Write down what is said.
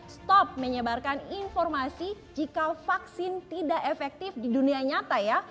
stop menyebarkan informasi jika vaksin tidak efektif di dunia nyata ya